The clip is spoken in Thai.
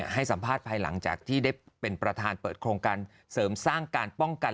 ให้สัมภาษณ์ภายหลังจากที่ได้เป็นประธานเปิดโครงการเสริมสร้างการป้องกัน